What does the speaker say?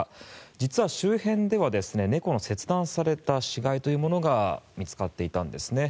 実は周辺では猫の切断された死骸というものが見つかっていたんですね。